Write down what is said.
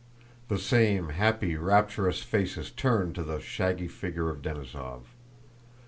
The same happy, rapturous faces turned to the shaggy figure of Denísov.